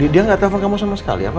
dia gak telepon kamu sama sekali apa